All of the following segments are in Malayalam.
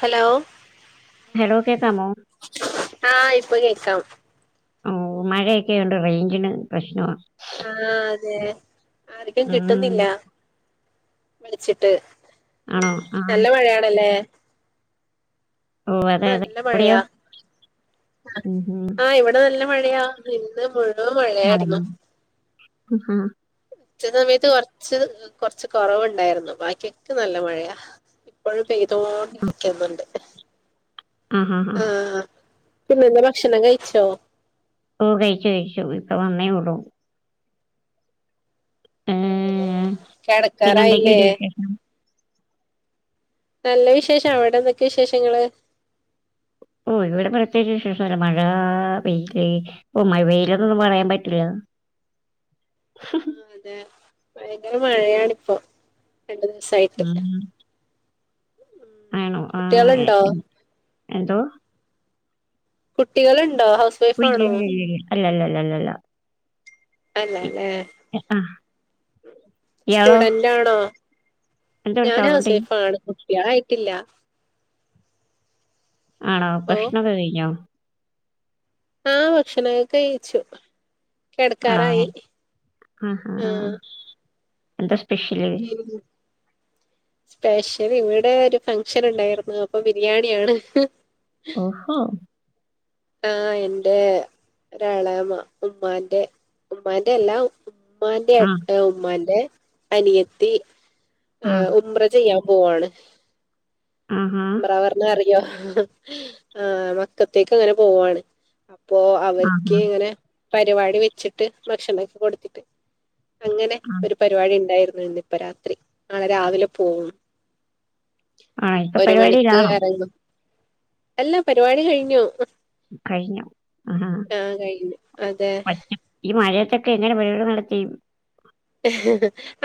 ഹലോ. ഹലോ കേക്കാമോ? ആഇപ്പൊ കേക്കാം. ഓ മഴയൊക്കെ ആയോണ്ട് റേഞ്ചിന് പ്രശ്നമാ. ആഹ് അതെ. ആർക്കും ഉം, കിട്ടുന്നില്ല വിളിച്ചിട്ട്. ആണോ ആ നല്ല മഴയാണല്ലേ? ഓ ഇവിടെ അതെ അതെ നല്ല എവിടെയോ മഴയാ. ഉം, ഉം. ആഹ് ഇവിടെ നല്ല മഴയാ. ഇന്ന് മുഴു [unintelligible] ആഹ് ഉച്ച സമയത്ത് കൊറച്ച് കൊറച്ച് കുറവുണ്ടായിരുന്നു. ബാക്കിയൊക്കെ നല്ല മഴയാ. ഇപ്പൊഴും പെയ്തോണ്ട് നിക്കുന്നുണ്ട്. ആഹ് ഹാ ഹാ. ആഹ്. പിന്നെ ഭക്ഷണം കഴിച്ചോ? ഓ കഴിച്ചു കഴിച്ചു. ഇപ്പം വന്നേ ഉള്ളൂ. ഏ, കെടക്കാറായില്ലേ? പിന്നെന്തൊക്കെയുണ്ട് വിശേഷം നല്ല വിശേഷം. അവിടെ എന്തൊക്കെയാ വിശേഷങ്ങള്? ഓ ഇവിടെ പ്രത്യേകിച്ച് വിശേഷം ഇല്ല. മഴാ പെയിത്. ഇപ്പൊ മഴ പെയിലന്നൊന്നും പറയാൻ പറ്റില്ല. [inaudible] ആഹ് അതെ ഭയങ്കര മഴയാണ് ഇപ്പോ, രണ്ടു ദിവസായിട്ട്. ഉം. ആണോ ആഹ് കുട്ടികളുണ്ടോ എന് എന്തോ? കുട്ടികളുണ്ടോ ഹൗസ് വൈഫ് ആണോ [unintelligible] അല്ല ല്ല ല്ല ല്ല. അല്ലാ ല്ലേ. എ അഹ് സ്റ്റുഡന്റ് ആണോ? എന്തോ ഒരു ഞാൻ ഹൗസ് സൗണ്ട് വൈഫ് ആണ്. കുട്ടികളായിട്ടില്ല. ആണോ? ഓ ഭക്ഷണം ഒക്കെ കഴിഞ്ഞോ? ആഹ് ഭക്ഷണൊക്കെ കഴിച്ചു. ആണോ കെടക്കാറായി ആഹ് എന്തെ പിന്നെ സ്പെഷ്യല് ഇവിടെ ഒരു ഫംഗ്ഷന്ണ്ടായിരുന്നു. അപ്പൊ ബിരിയാണിയാണ്. ഓഹോ ആ എന്റെ ഒരാഎളയമ്മ ഉമ്മാന്റെ ഉമ്മാന്റെ അല്ല ഉമ്മാന്റെ ആഹ്. ഏട്ട ഉമ്മാന്റെ അനിയത്തി ആഹ്. ഉംറ ചെയ്യാൻ പോവാണ്. ആഹ് ഹാ ഉംറാന്ന് പറഞ്ഞാ അറിയോ? ആ മക്കത്തേക്ക്ങ്ങനെ പോവുവാണ്. അപ്പോ ആഹാ. അവർക്ക് ഇങ്ങനെ പരിപാടി വെച്ചിട്ട് ഭക്ഷണൊക്കെ കൊടുത്തിട്ട് അങ്ങനെ ആഹ്. ഒരു പരിപാടി ഇണ്ടായിരുന്നു ഇന്ന് ഇപ്പൊ രാത്രി നാളെ രാവിലെ പോവും. ആ ഇപ്പൊ ഒരു മണിക്ക് പരിപാടിയിലാണോ? എറങ്ങും. അല്ല പരിപാടി കഴിഞ്ഞു. കഴിഞ്ഞോ? ആഹാ. ആഹ് കഴിഞ്ഞു അതെ. പറ്റും. ഈ മഴയത്തൊക്കെ എങ്ങനെ പരുപാടി നടത്തി?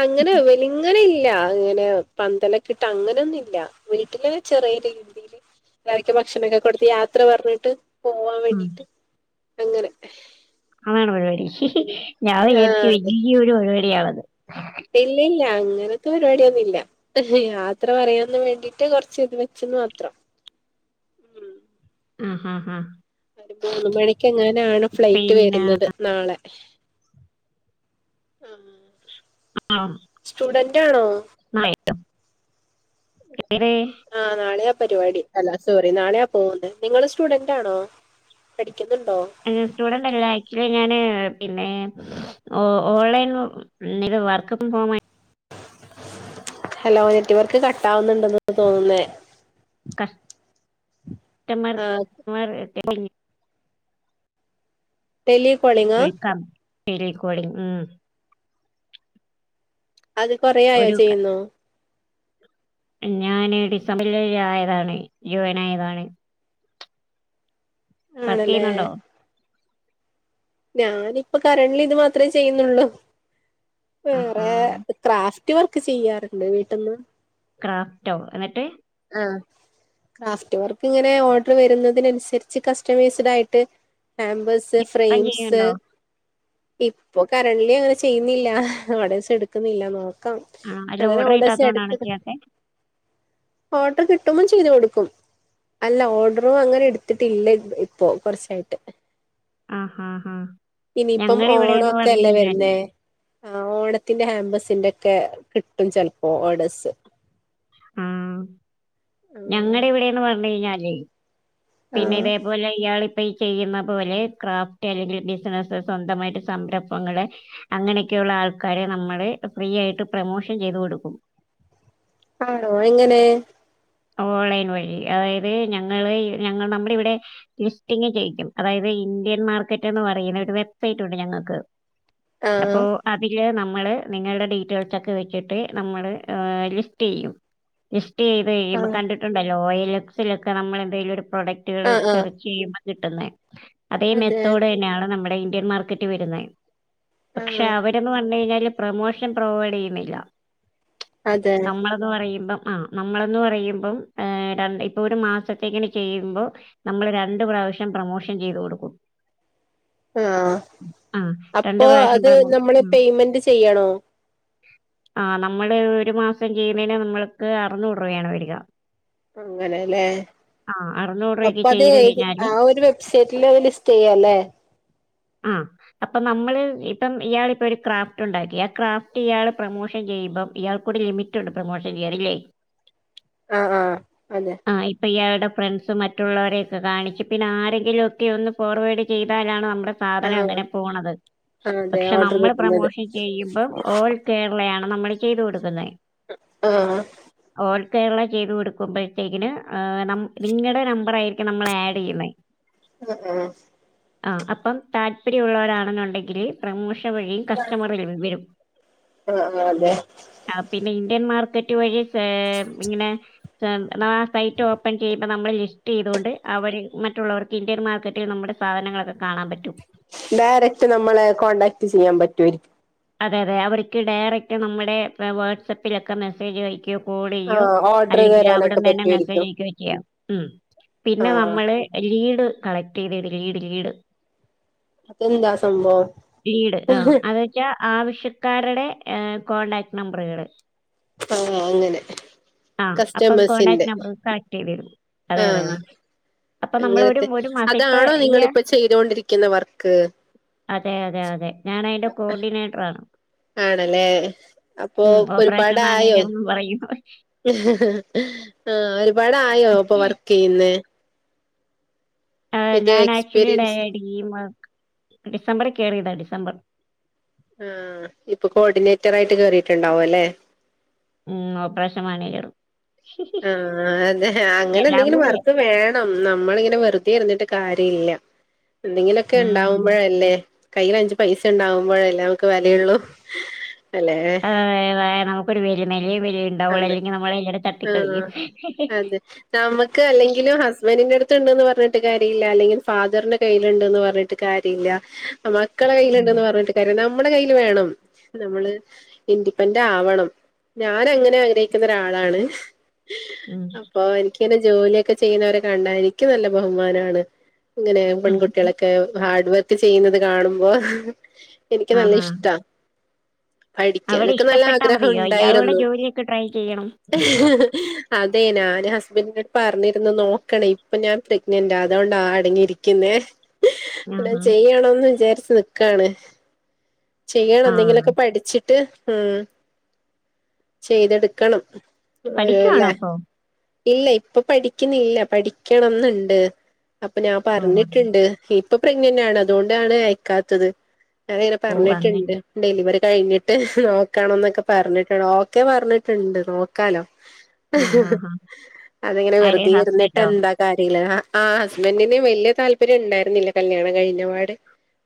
അങ്ങനെ വലി അങ്ങനെ ഇല്ല അങ്ങനെ പന്തലൊക്കെ ഇട്ട് അങ്ങനൊന്നും ഇല്ല. വീട്ടില് ചെറിയ രീതില് എല്ലാരിക്കും ഭക്ഷണൊക്കെ കൊട്ത്ത് യാത്ര പർഞ്ഞ്ട്ട് പോവാ ഉം. വേണ്ടിട്ട് അങ്ങനെ അതാണോ പരിപാടി ഞാൻ വിചാരിച്ച് ആഹ് വലിയ ഒരു പരിപാടിയാണെന്ന്. ഇല്ലില്ല. അങ്ങനത്തെ പരിപാടിയൊന്നും ഇല്ല. യാത്ര പറയാൻന്ന് വേണ്ടിട്ട് കൊറച്ച് ഇത് വെച്ചന്ന് മാത്രം. ഉം ആഹ് ഹാ ഹാ ഒരു മൂന്ന് മണിക്ക് എങ്ങനാണ് ഫ്ലൈറ്റ് പിന്നെ വരുന്നത്. നാളെ സ്റ്റുഡന്റാണോ [inaudible] ആ നാളെയാ പരിപാടി അല്ല സോറി നാളെയാ പോകുന്നേ നിങ്ങള് സ്റ്റുഡന്റ് ആണോ? പഠിക്കുന്നുണ്ടോ? സ്റ്റുഡന്റല്ലാ ആക്ച്വലി ഞാന് പിന്നേ ഓ ഓൺലൈൻ ഇനി ഇപ്പം വർക് ഫ്രം ഹോമാ ഹലോ നെറ്റ് വർക്ക് കട്ടാവുന്നുണ്ടെന്നു തോന്നുന്നേ? കസ്റ്റമർ ആ [unintelligible] ടെലി കോളിങ്ങ് [unintelligible] ഉം അത് കൊറേ ആയോ ഒരു ചെയ്യുന്നു? ഞാന് ഡിസംബറി ആയതാണ്. ജോയിൻ ആയതാണ്. ആണല്ലേ വർക്കെയ്യുന്നുണ്ടോ? ഞാനിപ്പം കരണ്ടിലി ഇത് മാത്രമേ ചെയ്യുന്നുള്ളൂ. ആഹാ വേറെ ക്രാഫ്റ്റ് വർക്ക് ചെയ്യാറ്ണ്ട് വീട്ടിന്ന്. ക്രാഫ്റ്റോ എന്നട്ട്? ആഹ് ക്രാഫ്റ്റ് വർക്ക് ഇങ്ങനെ ഓർഡർ വരുന്നതിനനുസരിച്ച് കസ്റ്റമൈസ്ഡ് ആയിട്ട് പാമ്പേ ഫോട്ടോസ് ഇപ്പം ഫ്രയിംസ് ചെയ്യുന്നുണ്ടോ ഇപ്പൊ കരണ്ട്ലി അങ്ങനെ ചെയ്യുന്നില്ല. ഓർഡേഴ്സ് എടുക്കുന്നില്ല നോ പ്പം ആ അല്ല അങ്ങനെ ഓർഡർ ഓഡേഴ്സ് കിട്ടാത്തതുകൊണ്ടാണ് എടുക്കുന്നുണ്ട് ചെയ്യാത്തെ ഓഡ്റ് കിട്ടുമ്പം ചെയ്തു കൊടുക്കും. അല്ല ഓഡറ്‌കള് അങ്ങനെ എട്ത്തിട്ടില്ല ഇപ്പോ കൊറച്ചായിട്ട്. ആഹാ ആഹാ ആഹാ ഇനിയിപ്പം ഓണക്കെ അല്ലേ വരുന്നേ ആഹ് ഓണത്തിന്റെ ഹാമ്പസിന്റെ ഒക്കെ കിട്ടും ചിലപ്പോ ഓഡസ് ആഹ് ഞങ്ങടെ ഇവിടെന്ന് പറഞ്ഞ കഴിഞ്ഞാൽ ആ പിന്നെ ഇതേപോലെ ഇയാള് ഇപ്പ ഈ ചെയ്യുന്ന പോലെ ക്രാഫ്റ്റ് അല്ലെങ്കിൽ ബിസിനസ് സ്വന്തമായിട്ട് സംരംഭങ്ങള് അങ്ങനെയൊക്കെയുള്ള ആൾക്കാരെ നമ്മള് ഫ്രീ ആയിട്ട് പ്രമോഷൻ ചെയ്ത് കൊടുക്കും ആണോ എങ്ങനെ? ഓൺലൈൻ വഴി അതായത് ഞങ്ങള് ഞങ്ങൾ നമ്മടെ ഇവിടെ ലിസ്റ്റിംങ് ചെയ്യിക്കും അതായത് ഇന്ത്യൻ മാർക്കറ്റ്ന്ന് പറയുന്ന ഒരു വെബ്സൈറ്റ് ഉണ്ട് ഞങ്ങക്ക് ആ അപ്പൊ അതില് നമ്മള് നിങ്ങളുടെ ഡീറ്റെയിൽസ് ഒക്കെ വെച്ചിട്ട് നമ്മള് ലിസ്റ്റ് യ്യും ഇഷ്ടയ്യ്ത് ആ കണ്ടിട്ടുണ്ടല്ലോ യൽ എക്സിലൊക്കെ നമ്മൾെന്തെലും ഒരു പ്രൊഡക്റ്റുകൾ ആ ആ സെർച്ച് ചെയ്യുമ്പൾ കിട്ടുന്ന അതേ മെത്ത അതെ ഡ് തന്നെയാണ് നമ്മുടെ ഇന്ത്യൻ മാർക്കറ്റ് വരുന്നത് ആ പക്ഷെ അവർ അതെ [unintelligible] ന്ന് പറയുമ്പം ആ നമ്മളന്ന് പറയുമ്പം ഏഹ് ര ഇപ്പൊ ഒരു മാസത്തെങ്ങനെ ചെയ്യുമ്പോ നമ്മള് രണ്ടു പ്രാവശ്യം പ്രൊമോഷൻ ചെയ്ത് കൊടുക്കും ആഹ് ആ അപ്പോ പ്രാവശ്യം അത് പ്രമോ നമ്മള് പെയ്മെന്റ് ചെയ്യണോ ആഹ് നമ്മള് ഒരു മാസം ചെയ്യുന്നേന നമ്മൾക്ക് അറു ന്നൂറ് രൂപയാണ് വരിക അങ്ങനെലെ ആ അപ്പ അത ചെയ്ത് കഴിഞ്ഞാല് ആ ഒരു വെബ്സൈറ്റില് അത് ലിസ്റ്റ് ചെയ്യല്ലേ ആഹ് അപ്പൊ നമ്മള് ഇപ്പം ഇയാൾക്ക് ഇപ്പൊ ഒരു ക്രാഫ്റ്റ് ഉണ്ടാക്കി ആഹ് ക്രാഫ്റ്റ് ഇയാൾ പ്രൊമോഷൻ ചെയ്യുമ്പം ഇയാൾക്കും ഒരു ലിമി റ്റ് പ്രമോഷൻ ചെയ്യാറില്ലേ ആഹ് ആഹ് അതെ ആഹ് ഇപ്പം ഇയാളുടെ ഫ്രണ്ട്സും മറ്റുള്ള വരെക്കെ കാണിച്ച് പിന്നെ ആരെങ്കിലും ഒക്കെ ഒന്ന് ഫോർവേഡ് ചെയ്താലാണ് നമ്മടെ സാധനം ആ അങ്ങനെ പോണത് ആ അതെ പക്ഷെ ഓർഡർ നമ്മള് കിട്ടുന്നത് പ്രമോഷൻ ചെയ്യുമ്പം ഓൾ കേരളയാണ് നമ്മൾ ചെയ്ത് കൊടുക്കുന്നത് ആഹ് ഓൾ കേരള ചെയ്ത് കൊടുക്കുമ്പോഴത്തേക്കിന് നിങ്ങളുടെ നമ്പറ് ആയിരിക്കും നമ്മള് ആഡ്യ്യുന്നെ [unintelligible] ഏഹ് ആഹ് അപ്പം താല്പര്യം ഉള്ളവരാണെന്നുണ്ടെങ്കില് പ്രേമോഷൻ വഴിയും കസ്റ്റമറുകള വിവരും ആ അതെ ആഹ് പിന്നെ ഇന്ത്യൻ മാർക്കറ്റ് വഴി സെ ഇങ്ങനെ സൈറ്റ് ഓപ്പൺ ചെയ് ഇപ്പ നമ്മൾ ലിസ്റ്റ് ചെയ്തുകൊണ്ട് അവര് മറ്റുള്ളവർക്ക് ഇന്ത്യൻ മാർക്കറ്റിൽ നമ്മുടെ സാധനങ്ങളൊക്കെ കാണാൻ പറ്റും ഡയറക്ട് നമ്മെളെ കോൺടാക്ട് ചെയ്യാൻ പറ്റ്യാരിക്കും. അതെ അതെ അവർക്ക് ഡയറക്ട് നമ്മെടെ വാട്സപ്പിലൊക്കെ മെസ്സേജ് അയക്ക്യോ ആ കോളെയ്യോ ഓർഡർ അല്ലെങ്കിൽ തരാനൊക്കെ അവെടെന്നെന്നെ മെസ്സേജ് പറ്റുമായിരിക്കും അയക്കുവോ ചെയ്യണം ഉം ആ പിന്നെ നമ്മള് ലീഡ് കളക്ട് ചെയ്തിട് ലീഡ് ലീഡ്. അതെന്താ സംഭവം ലീഡ് ആഹ് അതെ ക്യാ ആവശ്യക്കാര്ടെ ഏ കോൺടാക്ട് നമ്പറ്കള് പാ അങ്ങെനെ ആ. അപ്പം കസ്റ്റമേസിന്റെ കോൺടാക്റ്റ് നമ്പർ കളക്ട് ചെയ്തിടും. അതെ, അതെ, ആഹ് അതെ. അപ്പൊ നമ്മളൊരു ഒരു അങ്ങെനെത്തെ ഒരു മാസം ഇപ്പൊ അതാണോ ഇയ്യ് നിങ്ങളിപ്പൊ ചെയ്തോണ്ടിരിക്കുന്ന വർക്ക്? അതെ അതെ അതെ ഞാൻ അതിന്റെ കോർഡിനേറ്ററാണ്. ആണല്ലേ. അപ്പൊ ഓപ്പറേഷൻ ഒരുപാടായോ? മാനേജർന്നും പറയും. ആഹ് ഒരുപാടായോ ഇപ്പ വർക്ക് ചെയ്യുന്നേ? ആ ഞാൻ ആക്ച്വലിടെ എക്സ്പീരിയൻസ് ഡി എം ഡിസംബറിൽ കേറിതാ ഡിസംബർ. ആഹ് ഇപ്പ കോഡിനേറ്ററായിട്ട് കേറിട്ടുണ്ടാവും അല്ലേ? ഉം ഓപ്പറേഷവൺയിയറ്. ആ അതെ എല്ലാം അങ്ങനെന്തെങ്കിലും കൂടിയാ വർക്ക് വേണം. ഉം നമ്മളിങ്ങനെ വെറുതെയിരുന്നിട്ട് കാര്യയില്ല. എന്തെങ്കിലുമൊക്കെ ഉണ്ടാവും. ഉം. പ്പഴല്ലേ. കയിൽ അഞ്ച് പൈസ ഉണ്ടാവുമ്പോഴല്ലേ നമ്മെക്ക് വെലയൊള്ളൂ. ആ നമുക്ക് ഒരു വിലയും നിലയ നിലയം വിലയും ഉണ്ടാവുള്ളൂ അതെ അല്ലെങ്കിൽ നമ്മളെ എല്ലാരും തട്ടി ആഹ് അതെ നമുക്ക് അല്ലെങ്കിലും ഹസ്ബന്റിന്റെ അടുത്ത് ഉണ്ടന്ന് പറഞ്ഞിട്ട് കാര്യമി ല്ല അല്ലെങ്കില് ഫാദറിന്റെ കയ്യിലു ണ്ടന്ന് പറഞ്ഞിട്ട് കാര്യം ഇല്ല മക്കളടെ അതെ. കയ്യിലുണ്ടെന്ന് പറഞ്ഞിട്ട് കാര്യമുണ്ടോ നമ്മടെ കയ്യില് വേണം നമ്മള് ഇൻഡിപെൻറ് ആവണം ഞാൻ അങ്ങനെ ആഗ്രഹിക്കുന്ന ഒരാളാണ് ഉം. അപ്പോ എനിക്കിങ്ങനെ ജോലിയെ ക്കെ ചെയ്യുന്നവരെ കണ്ടാല് എനിക്ക്നല്ല ബഹുമാനാണ് ഇങ്ങനെ ഉം. പെൺകുട്ടികളൊക്കെ ഹാർഡ് വർക്ക് ചെയ്യുന്നത് കാണുമ്പോ എനിക്ക് നല്ല ആഹാ. ഇഷ്ടാ അവിടെ പഠിക്കാനൊക്കെ നല്ല ഇഷ്ടപ്പെട്ടാ ആഗ്രഹം മതിയോ ഇയാളോടെ ഉണ്ടായിരുന്നു ജോലിയൊക്കെ ട്രൈ ചെയ്യണം അതെ ഞാൻ ഹസ്ബൻഡിനടുത്ത് പറഞ്ഞിരുന്ന് നോക്കണേ ഇപ്പോ ഞാൻ പ്രഗ്നന്റ് അതുകൊണ്ടാ അടങ്ങിയിരി നിക്കുന്നേ പിന്നെ ആഹാ. ചെയ്യണന്ന് വിചാരിച്ച് നിക്കയാണ് ചെയ്യണം ആ എന്തെങ്കിലൊക്കെ പഠിച്ചിട്ട് ഉം ചെയ്തെടുക്കണം. പഠിക്കുവാണോ ഓല്ലേ അപ്പോ ഇല്ല ഇപ്പോ പഠിക്കുന്നില്ല പഠിക്കണന്നുണ്ട് അപ്പോ ഞാൻ ഓ അങ്ങനെ. പറഞ്ഞിട്ടുണ്ട് ഇപ്പോ പ്രഗ്നന്റ് ആണ് അതുകൊണ്ടാണ് അയക്കാത്തത് ഞാനിങ്ങ ഓ അങ്ങനെ പറഞ്ഞിട്ടുണ്ട് ഡെലിവറി കഴിഞ്ഞിട്ട് നോക്കണ ന്നൊക്കെ പറഞ്ഞിട്ടുണ്ട് ഓക്കെ പറഞ്ഞിട്ടുണ്ട് നോക്കാലോ? ആഹാ ഹാ അതിങ്ങനെ ആര് വെറുതെ ഇരുന്നിട്ട് ഹസ്ബൻഡോ എന്താക്കാ [unintelligible] ആ ഹസ്ബൻറിന് വലിയ താല്പര്യം ഉണ്ടായിരുന്നില്ല കല്യാണം കഴിഞ്ഞപാട്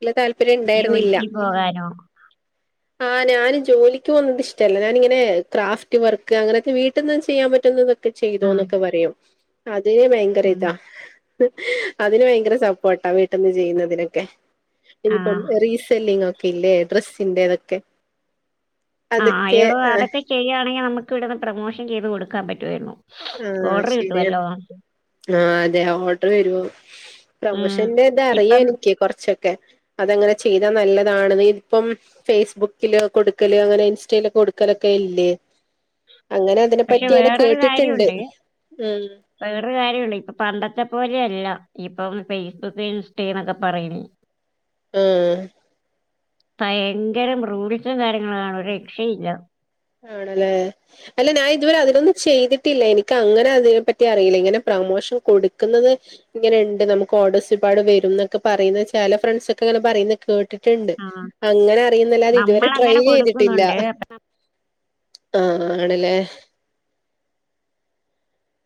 ഇല്ല താല്പര്യം ഉണ്ടായിരുന്നില്ല ജോലിക്ക് പോകാനോ [inaudible] ആ ഞാന് ജോലിക്ക് പോന്നുന്നത് ഇഷ്ടല്ല ഞാനിങ്ങനെ ക്രാഫ്റ്റ് വർക്ക് അങ്ങനെയൊക്കെ വീട്ടിന്ന് ചെയ്യാൻ പറ്റുന്നുന്നത് ത് ആ ചെയ്തോന്നെക്കെ പറയും അതിന് ഭയങ്കര ആ ഇതാ അതിന് ഭയങ്കര സപ്പോർട്ടാ വീട്ടിന്ന് ചെയ്യുന്നതിനെക്കെ ആ ഇനിയിപ്പം റീ ല്ലങ്ങൊക്കെ ഇല്ലേ ഡ്രസ്സിന്റെ ഇതൊക്കെ ആ എടോ ആഹ് അതൊക്കെ ചെയ്യുകയാണെങ്കിൽ നമ്മുക്ക് ഇവിടുന്ന് പ്രൊമോഷൻ ചെയ്ത് കൊടുക്കാൻ പറ്റുമായിരുന്നു ഓർഡർ കിട്ടുവല്ലോ ആ അതെ ഓർഡർ വരുമോ ഉം. പ്രമോഷന്റെ ഇത അറിയാ ഇപ്പം എനിക്ക് കൊറച്ചൊക്കെ അതങ്ങനെ ചെയ്താ നല്ലതാണ് ഇപ്പം ഫേസ്ബുക്കില് കൊടുക്കല് അങ്ങനെ ഇൻസ്റ്റയില് കൊടുക്കലൊക്കെ ഇല്ലേ അങ്ങനെ അതിനെപ്പറ്റി കേട്ടിട്ട് കാര്യം ഉണ്ട് വേറെ കാര്യള്ളൂ ഇപ്പൊ പണ്ടത്തെ പോലെയല്ല ഇപ്പൊ ഫേസ്ബുക്ക് ഇൻസ്റ്റ എന്നൊക്കെ പറയണേ ആഹ് ഭയങ്കരം റൂഡിച്ചന്ന കാര്യങ്ങള ഒര് രക്ഷയില്ല ആണ്ല്ലേ അല്ല ഞാൻ ഇതുവരെ അതിലൊന്നും ചെയ്തിട്ടില്ല എനിക്കങ്ങനെ അതിനെ പറ്റി അറിയില്ല ഇങ്ങനെ പ്രൊമോഷൻ കൊടുക്കുന്നത് ഇങ്ങനെ ഉണ്ട് നമുക്ക് ഓഡോസിപാട് വരും എന്നൊക്കെ പറയുന്ന ചെല ഫ്രണ്ട്സ് ഒക്കെ അങ്ങനെ പറയുന്ന കേട്ടിട്ട് ണ്ട് ആ അങ്ങനെ അറിയുന്നല്ല അത് ഇതുവരെ ട്രൈ നമ്മളങ്ങനെ ചെയ്തിട്ടില്ല കൊടുക്കുന്നുണ്ട് ആഹ് ആണ്ല്ലേ